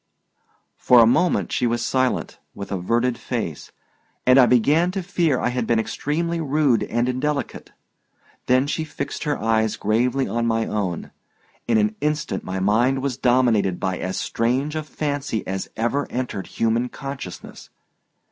For a moment she was silent, with averted face, and I began to fear I had been extremely rude and indelicate; then she fixed her eyes gravely on my own. In an instant my mind was dominated by as strange a fancy as ever entered human consciousness.